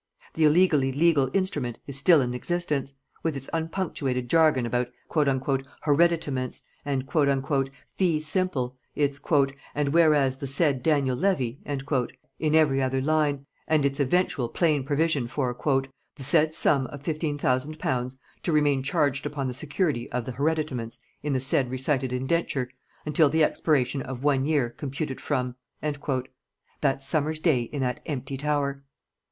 The illegally legal instrument is still in existence, with its unpunctuated jargon about "hereditaments" and "fee simple," its "and whereas the said Daniel Levy" in every other line, and its eventual plain provision for "the said sum of £15,000 to remain charged upon the security of the hereditaments in the said recited Indenture ... until the expiration of one year computed from " that summer's day in that empty tower!